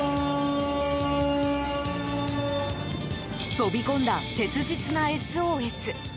飛び込んだ切実なＳＯＳ。